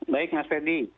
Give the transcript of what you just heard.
baik mas fedy